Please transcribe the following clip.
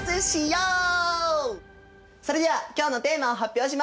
それでは今日のテーマを発表します！